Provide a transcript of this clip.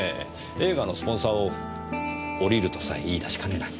映画のスポンサーを降りるとさえ言い出しかねない。